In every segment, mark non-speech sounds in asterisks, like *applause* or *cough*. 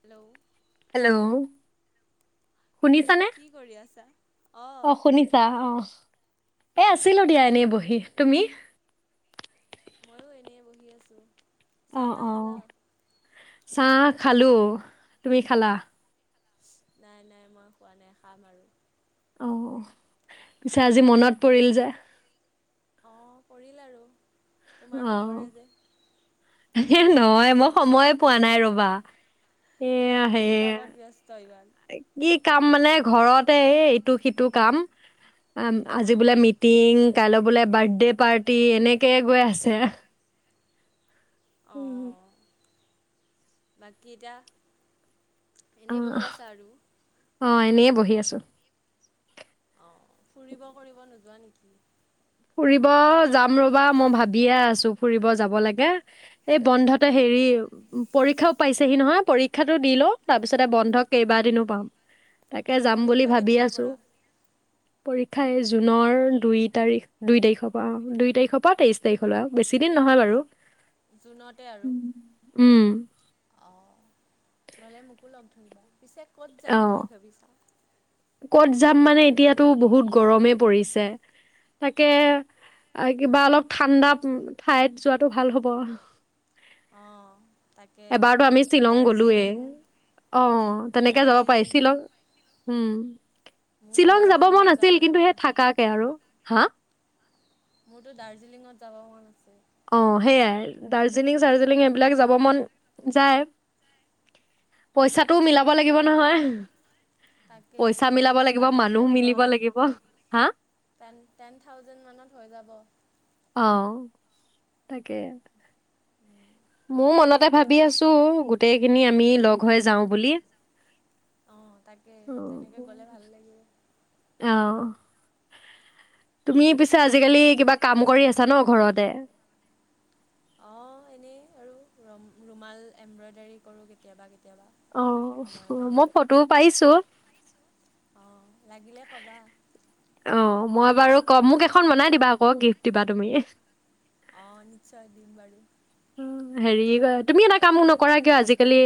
Hello hello শুনিছানে। কি কৰি আছা? অঁ অ' শুনিছা অ'। এ আছিলো দিয়া এনেই বহি। তুমি? ময়ো এনে বহি আছো। অ চাহ-তাহ অ খালা? চাহ খালো। তুমি খালা? নাই নাই মই খোৱা নাই খাম আৰু। অ' পিছে আজি মনত পৰিল যে? অ' পৰিল আৰু। তোমাৰ অ নপৰে যে। নহয় মই সময়ে পোৱা নাই ৰবা। কিয় এয়া কি সেই কামত ব্যস্ত ইমান কি কাম মানে ঘৰতে ইটো সিটো কাম আ আজি অঁ বোলে মিটিং কাইলৈ বোলে বাৰ্থডে পাৰ্টি এনেকৈয়ে গৈ আছে উম বাকীটা অ অ এনেই বহি বহি আছোঁ অ ফুৰিব কৰিব লৈছোঁ যোৱা নেকি ফুৰিব যাম ৰবা মই ভাবিয়ে আছো ফুৰিব যাব লাগে এই বন্ধতে হেৰি পৰীক্ষাও পাইছেহি নহয় পৰীক্ষাতটো দি লও তাৰ পিছতে বন্ধ কেইবাদিনো পাম তাকে যাম বুলি পৰীক্ষা ভাবি কেতিয়াৰ আছোঁ পৰা? পৰীক্ষাই জুনৰ দুই তাৰিখ দুই তাৰিখৰ পৰা দুই তাৰিখৰ পৰা তেইছ তাৰিখলৈ বেছি দিন নহয় বাৰু জুনতে আৰু উম অ' গ'লে মোকো লগ ধৰিবা পিছে ক'ত অ যাম বুলি ভাবিছা ক'ত যাম মানে এতিয়াতো বহুত গৰমে পৰিছে তাকে কিবা অলপ ঠাণ্ডা ঠাইত যোৱাটো ভাল হ'ব অঁ তাকে এবাৰতো আমি শ্বিলং গলোয়ে দাৰ্জিলিং অ তেনেকে যাব পাৰি শ্বিলং দাৰ্জিলিং উম মোৰতো শ্বিলং যাব মন দাৰ্জিলিঙত আাছিল যাবলৈ কিন্তু মন সেই আছে থাকাকে আৰু হা। মোৰটো দাৰ্জিলিঙত যাব মন আছে। অঁ সেয়াই দাৰ্জিলিং চাৰ্জিলিং এইবিলাক যাব মন যায়, পইচাটোও মিলাব লাগিব নহয়। তাকেই পইচা মিলাব লাগিব, বাজেট মানুহ লাগিব মিলিব অলপ, লাগিব। হা? টেন-টেন থাউজেণ্ড মানত হৈ যাব। অঁ, তাকেই। উম, মও মনতে ভাবি আছো গোটেইখিনি আমি লগ হৈ যাওঁ বুলি। অঁ তাকে তেনেকৈ গ'লে ভাল *unintelligible* লাগিব অঁ। তুমি পিছে আজিকালি কিবা কাম কৰি আছা ন ঘৰতে। অঁ এনেই আৰু ৰুমাল এম্ব্ৰইডাৰী কৰো কেতিয়াবা কে অঁ *unintelligible* মই ফটোও পাইছো। অ লাগিলে ক'বা। অঁ মই বাৰু কম মোক এখন বনাই দিবা আকৌ গিফ্ট দিবা তুমি। অঁ নিশ্চয় দিম বাৰু। *unintelligible* হেৰি তুমি এটা কামো নকৰা কিয় আজিকালি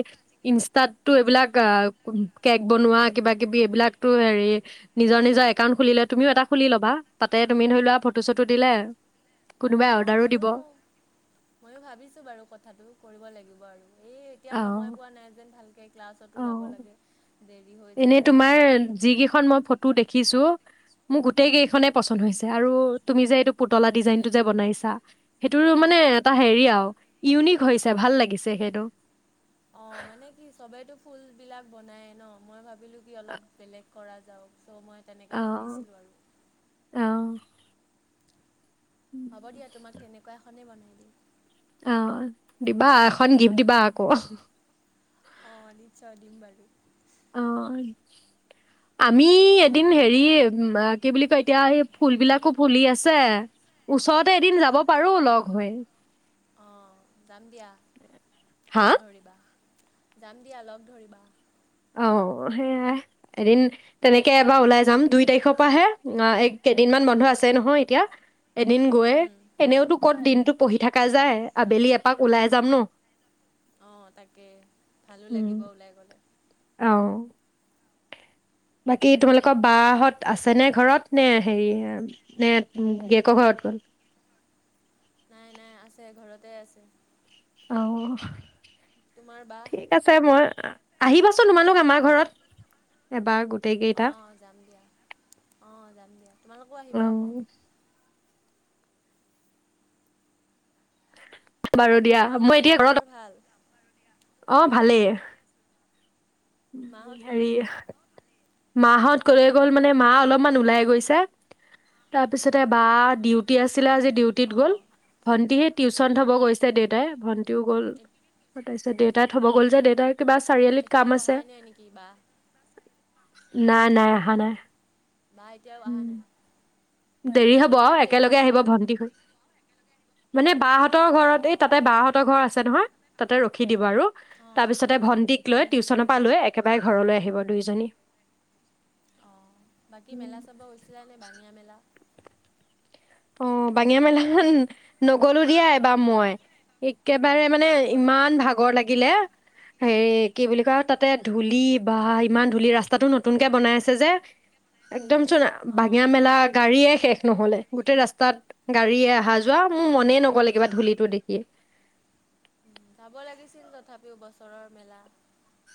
ইনষ্টাতটো এইবিলাক কেক বনোৱা কিবা কিবি এইবিলাকতো হেৰি নিজৰ নিজৰ একাউণ্ট খুলিলে তুমিও এটা খুলি ল'বা, তাতে তুমি ধৰি লোৱা ফটো চটো দিলে কোনোবাই অঁ অৰ্ডাৰো দিব। ময়ো *unintelligible* বাৰু কথাটো কৰিব লাগিব আৰু। এই এতিয়া সময় অ', পোৱা নাই যেন ভাল ক্লাছতো যাব অ', লাগে। হৈ এনে যায় আহি তোমাৰ পোৱালৈ যিকেইখন মই ফটো দেখিছো মোৰ গোটেই কেইখনেই পচন্দ হৈছে আৰু তুমি যে এইটো পুতলা ডিজাইনটো যে বনাইছা সেইটোৰো অঁ মানে এটা হেৰি আৰু ইউনিক হৈছে ভাল লাগিছে সেইটো। অঁ মানে কি চবেই টো ফুলবিলাক বনাই ন, মই ভাবো *unintelligible* অলপ বেলেগ। কৰা যাওঁ চ' মই তেনেকে অ'। বনাইছিলোঁ আৰু। অ', হ'ব দিয়া তোমাক তেনেকুৱা এখনেই বনাই দিম অঁ দিবা এখন গিফ্ট দিবা আকৌ। অঁ নিশ্চয় দিম বাৰু। অঁ *unintelligible* আমি এদিন হেৰি কি বুলি কয় এতিয়া এই ফুলবিলাকো ফুলি আছে, ওচৰতে এদিন যাব পাৰো লগ হৈ। অঁ যাম দিয়া, হা লগ ধৰিবা। যাম দিয়া লগ ধৰিবা। অঁ, সেয়াই এদিন তেনেকে এবাৰ ওলাই যাম দুই তাৰিখৰ পৰাহে কেইদিনমান বন্ধ আছে নহয় এতিয়া, এদিন গৈ উম, এনেওতো ক'ত দিনটো পঢ়ি থাকা যায় আবেলি এপাক ওলাই যাম ন। অঁ তাকে ভালো লাগিব ওলাই গলে। অঁ। বাকী তোমালোকৰ বাহঁত আছে নে ঘৰত নে হেৰি নে গীয়েকৰ ঘৰত গ'ল। নাই নাই আছে ঘৰতে আছে। অঁ। তোমাৰ বা ঠিক আছে মই আহিবাচোন তোমালোক আমাৰ ঘৰত এবাৰ গোটেই কেইটা অ যাম দিয়া অ যাম দিয়া তোমালোকো অ আহিবা আকৌ বাৰু বাকী দিয়া মই তোমালোকৰ এতিয়া ঘৰত মাহঁতৰ ভাল অ ভালেই মাহঁত ক'লে হেৰি গ'ল মাহত ক'লে গ'ল মানে মা অলপমান ওলাই গৈছে তাৰপিছতে বা ডিউটি আছে ডিউটি গ'ল অঁ ভন্তি হিহেত টিউশচন থ'ব গৈছে দেউতাই ভ ও গ'ল তাৰপিত দেউতাই থব গল যে দেউতাই কিবা চাৰিআলিত কাম এতিয়াও আছে অহাই নাই নেকি বা নাই, নাই, আহা অঁ নাই। বা এতিয়াও অহা উম। নাই দেৰি হ'ব। আৰু ইমান দেৰি একেলগে আহিব, ভণ্টি হৈ মানে বা'হত হঁতৰ ঘৰত, এই অঁ তাতে, বা'হঁতৰ ঘৰ আছে নহয় তাতে ৰখি দিব, আৰু অঁ তাৰ পিছতে ভণ্টিক লৈ, টিউচনৰ পৰা লৈ একে বাই, ঘৰলৈ আহিব দুইজনী অ', বাকী মেলা চাব গৈছিলা নে? বাঙীয়া মেলা অ', বাঙীয়া মেলা নগ'লোঁ দিয়া এইবাৰ মই। একেবাৰে মানে, কিয় নগ'লা ইমান ভাগৰ লাগিলে। হেৰি, কি বুলি কয়? তাতে ধূলি, বা, ইমান ধূলি। ৰাস্তাতটো নতুনকে বনাই আছে যে একদম চূণ, অঁ বাঙীয়া মেলা, গাড়ীয়ে শেষ নহ'লে গোটেই ৰাস্তাত গাড়ীয়ে আহা-যোৱা। মোৰ মনেই নগ'লে, কিবা ধূলিটো দেখি যাব লাগিছিল, তথাপিও বছৰৰ মেলা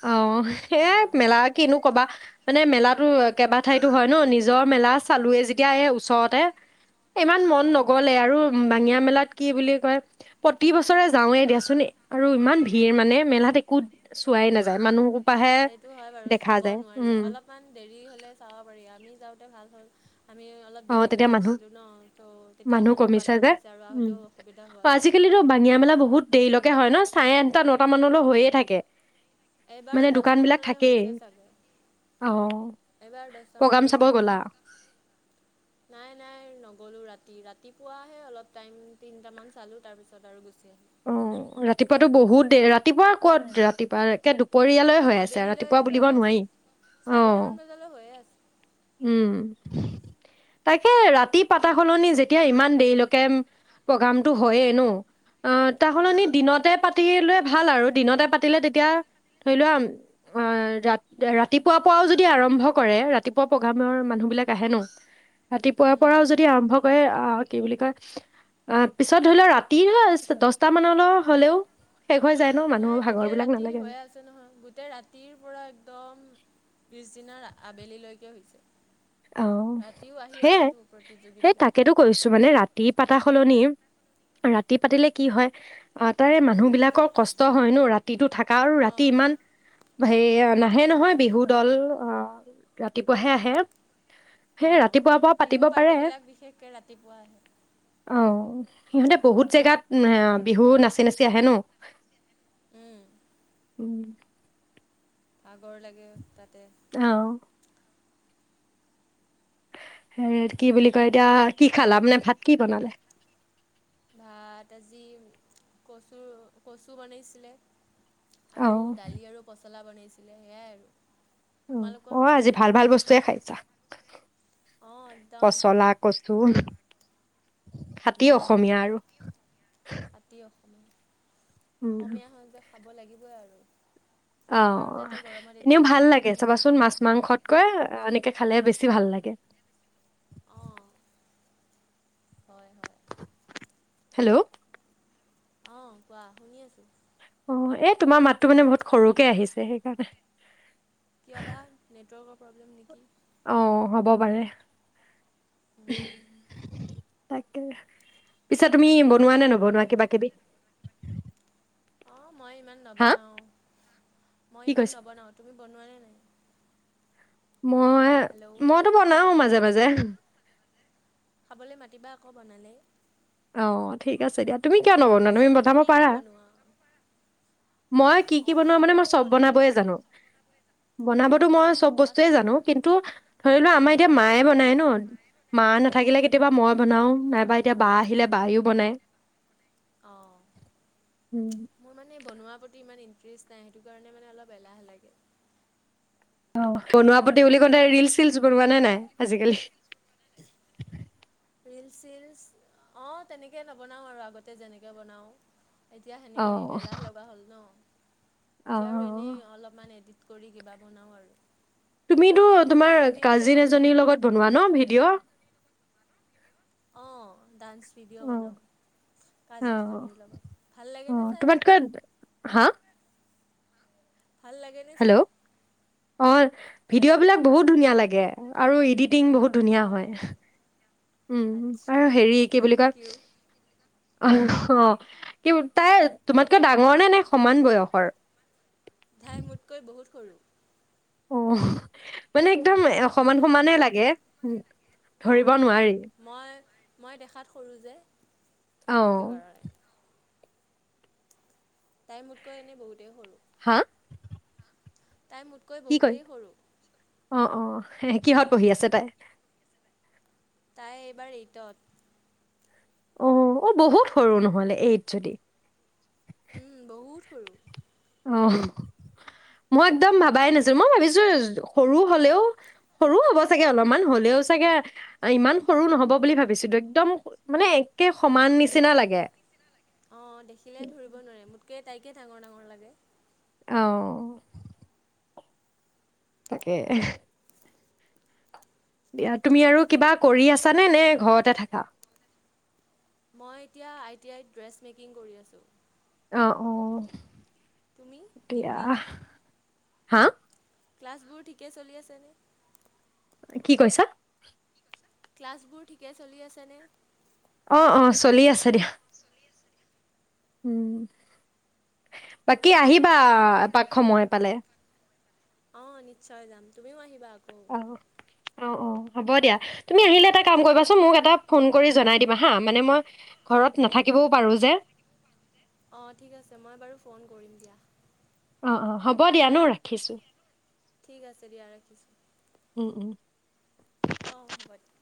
অ', এ, মেলা কিনো ক'বা। মানে, মেলাত টো কেইবাঠাইতো হয় ন। নিজৰ মেলা চালোঁৱেই, যেতিয়া এই ওচৰতে ইমান মন অঁ নগ'লে, আৰু বাঙীয়া মেলাত কি বুলি কয়, প্ৰতি বছৰে যাওঁৱে দিয়াচোন। আৰু ইমান ভিৰ, মানে, মেলাত একো চোৱাই নাযায় যায় মানুহবোৰ সোপাহে সেইটো হয় বাৰু। দেখা চাব নোৱাৰি। অলপমান দেৰি হ'লে চাব পাৰি। আমি যাওঁ। ভাল হ'ল। আমি অলপ অ', দেৰি তেতিয়া লৈ মানুহ আছিলোঁ ন। ত', তেতিয়া মানুহ কমিছে পাতল যে হৈছে, আৰু উম আহোঁতেও অসুবিধা হোৱা অ', নাই। আজিকালিতো বাঙিয়া মেলা বহুত দেৰিলৈকে হয় ন? চাৰে আঠটা, নটা মানলৈ হৈয়েই থাকে। এইবাৰ মানে দোকান দহটা বিলাক মানলৈ থাকেই হৈছে চাগে। অ', এইবাৰ দহটা প্ৰগ্ৰাম মানলৈ চাব হৈছে। গ'লা নাই, নাই, নগ'লোঁ ৰাতি। ৰাতিপুৱাহে অলপ টাইম, তিনিটামান চালোঁ। তাৰ পিছত আৰু গুচি আহি। অ', ৰাতিপুৱাতো বহুত দেৰি। ৰাতিপুৱা ক'ত? ৰাতিপুৱা একে দুপ পৰিয়ালে হৈ আছে, আৰু ৰাতিপুৱা আবেলিলৈকে বুলিব হৈ আছে নোৱাৰি। অ', চাৰিটামান বজালৈ হৈয়ে আছে উম। তাকে, ৰাতি পাতা সলনি। যেতিয়া ইমান দেৰিলৈকে প্ৰগ্ৰামতো হয়য়েই ন অ', তাহ'লনি অঁ দিনতে পাতি লৈ ভাল, আৰু দিনতে পাতিলে, তেতিয়া ধৰি লোৱা, আ, ৰা, ৰাতিপুৱাৰ পৰাও যদি আৰম্ভ কৰে। ৰাতিপুৱা প্ৰগ্ৰামৰ মানুহবিলাক আহে ন। ৰাতিপুৱাৰ পৰাও উম যদি আৰম্ভ কৰে, আ, কি বুলি কয়, আ, পিছত ধৰি লোৱা, ৰাতি দহটা মানলৈ হ'লেও শেষ হৈ যায় ন নাই, মানুহৰ ভাগৰ গোটেই বিলাক ৰাতি নালাগে আৰু হৈয়েই আছে নহয়। গোটেই ৰাতিৰ পৰা, একদম পিছদিনা আবেলিলৈকে হৈছে। অ' ৰাতিও আহি সেয়াই আছেতো সেই প্ৰতিযোগীবিলাক তাকেতো কৈছো মানে ৰাতি পাতা সলনি, ৰাতি পাতিলে কি হয় তাৰে মানুহ বিলাকৰ কষ্ট হয় নো ৰাতিটো থাক কাৰো ৰাতি ইমান হেয়া ন হে নহয়, বিহু দল অ'ৰাতিপুৱাহে আহে। সেই অঁ ৰাতিপুৱাৰ পৰা পাতিব বিহু পাৰে, পাৰ্টিবিলাক বিশেষকৈ ৰাতিপুৱা আহে অ' সিহঁতে বহুত জেগাত এ বিহু নাচি নাচি আহে ন, উম, উম ভাগৰ লাগে তাতে। অ হেৰ কি বুলি কয় এতিয়া বাকী কি আৰু খালা? মানে ভাত কি বনালে? ভাত, আজি কচু কচু বনাইছিলে। আৰু অ', দালি আৰু পচ পচলা বনাইছিলে সেয়াই আৰু। তোমালোকৰ অ' অ' আজি ভাল ভাল বস্তুৱয়ে খাই জা অঁ একদম পচলা, কচু খাতি উম, অসমীয়া আৰু খাতি অসমীয়া উম। অসমীয়া হয় যে খাব লাগিব। উম। অ' এনেও ভাল লাগে সেইবোৰ চাবাচোন খাই। মাছ মাংসতকৈ এনেকে- খালে বেছি ভাল লাগে। অঁ। হয় হয়। হেল্ল'ও অ' কোৱা, শুনি আছো। অ' এ' তোমাৰ মাততো মানে বহুত সৰুকে আহিছে সেইকাৰণে। কিয় বা নেটৱৰ্কৰ প্ৰব্লেম নেকি? অ', হ'ব পাৰে। *unintelligible* তাকে, পিছে তুমি বাকী এতিয়া বনোৱা নে কি নবনোৱা কৰিবা? কিবা কিবি? অঁ মই ইমান হা নবনাও মই কি ইমান কৈছা নবনাও তুমি বনোৱা নে নাই? মই হেল্ল' মইতো বনাও মাজে মাজে, *unintelligible* খাবলৈ মাতিবা আকৌ বনালে। অ' ঠিক আছে দিয়া। তুমি কিয় নবনোৱা, পিছে তুমি বনাব কি কি পাৰা। বনোৱা? মই কি কি অঁ বনাও? মানে পাৰোঁ মই চব বনাব বনাবৈয়ে জানো। বনাবতো মই অঁ চব বস্তুয়েই কোৱাচোন? জানো। কিন্তু ধৰি লোৱা আমাৰ উম। এতিয়া মায়ে বনাই ন। মা নেথাকিলে কেতিয়াবা মই বনাওঁ, নাইবা এতিয়া বা আহিলে বায়েও বনাই। অ মোৰ মানে বনোৱা। প্ৰতি ইমান ইণ্টেৰেষ্ট নাই, সেইটো কাৰণে মানে অলপ এলাহে লাগে। অ বনোৱা প্ৰতি বুলি ক'লে ৰিলচ চিলচ বনোৱা নে নাই আজিকালি? ৰিলচ- চীলচ অঁ তেনেকৈ নবনাওঁ আৰু আগতে যেনেকৈ বনাওঁ। এতিয়া সেনেকৈ অ'। এলাহ লগা হ'ল ন। এতিয়া আৰু অ', এনেই অলপমান এডিট। কৰি কিবা বনাওঁ আৰু তুমিতো তোমাৰ তুমি পিছে কাজিন বনোৱানে এজনীৰ নাই লগত বনোৱা ন ভিডিঅ'। অঁ ডান্স ভিডিঅ' অহ বনাওঁ আহ কাজিনজনীৰ লগত ভাল লাগেনে অহ চাই তোমাত কৈ হা ভাল লাগেনে হেল্ল' চাই অ হেল্ল' ভিডিঅ' বিলাক বহুত ধুনীয়া লাগে। অ আৰু ইডিত। টিং বহুত ধুনীয়া অঁ হয়। উম আচ্ছা আৰু হেৰি কি বুলি থেংক কয় ইউ আ। অ কি তাই তোমাতকৈ ডাঙৰ নে নাই সমান বয়সৰ। তাই মোতকৈ বহুত সৰু। অহ। বাট দেখাত নালাগে লাগে উম, অ ধৰিব নোৱাৰি। মই মই দেখাত সৰু যে সেইটো অ', কাৰণে। তাই মোতকৈ এনেই বহুতেই সৰু। হা? তাই মোতকৈ বহুতেই সৰু। হেহে কিহত পঢ়ি আছে তাই? তাই এইবাৰ এইটত। অ', অ', বহুত সৰু নহ'লে এইত যদি। উম, বহুত। সৰু অহ, মই একদম ভাবাই নাছিলো, মই ভাবিছো সৰু হলেও সৰু হ'ব চাগে অলপমান, হলেও চাগে ইমান সৰু নহব বুলি ভাবিছিলো, একদম মানে একে সমান নিচিনা লাগে। অ', দেখিলে ধৰিব নোৱাৰে মোত কে তাইকে ডাঙৰ ডাঙৰ লাগে। অ', অ', অ'। তাকে হ দিয়া তুমি আৰু কিবা কৰি আছানে, নে ঘৰতে থাকা? মই এতিয়া আই টি আই ত ড্ৰেছ মেকিং কৰি আছোঁ। আহ অ'। তুমি দিয়া ডিগ্ৰী হা। ক্লাছবোৰ ঠিকে চলি আছেনে? কি কৈছা? ক্লাছবোৰ ঠিকে চলি আছেনে? অ', অ', চলি আছে দে উম, বাকী আহিবা এপাক সময় পালে। অ', নিশ্চয় যাম। তুমিও আহিবা আকৌ অ অ', অ', হ'ব দিয়া তুমি আহিলে এটা কাম কৰিবাচোন, মোক এটা ফোন কৰি জনাই দিবা হা মানে মই ঘৰত নাথাকিবও পাৰোঁ যে। অ', ঠিক আছে মই বাৰু ফোন কৰিম দিয়া। অ', অ', হ'ব দিয়া ন' ৰাখিছো। ঠিক আছে দিয়া ৰাখিছোঁ। উম উম। অহ হ'ব দিয়া।